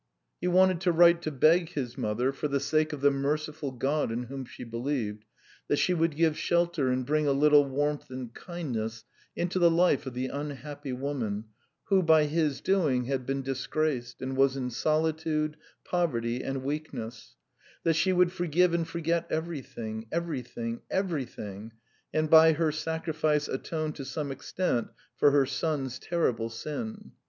He wanted to write to beg his mother, for the sake of the merciful God in whom she believed, that she would give shelter and bring a little warmth and kindness into the life of the unhappy woman who, by his doing, had been disgraced and was in solitude, poverty, and weakness, that she would forgive and forget everything, everything, everything, and by her sacrifice atone to some extent for her son's terrible sin.